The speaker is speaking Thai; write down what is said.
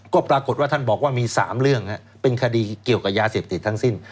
ก็ปรากฏว่าท่านบอกว่ามี๓เรื่องเป็นคดีเกี่ยวกับยาเสพติดทั้งสิ้น